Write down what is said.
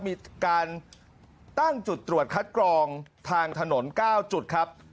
มีการตั้งจุดตรวจคัดกรองทางถนน๙จุดครับ